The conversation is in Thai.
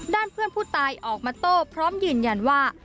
ด้านเพื่อนผู้ตายออกมาโต้พร้อมยืนยันว่า